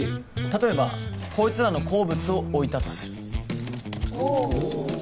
例えばこいつらの好物を置いたとするおおっ！